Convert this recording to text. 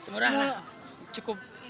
murah lah cukup